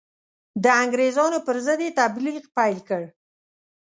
د انګرېزانو پر ضد یې تبلیغ پیل کړ.